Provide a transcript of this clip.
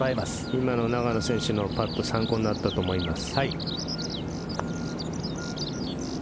今の永野選手のパット参考になったと思います。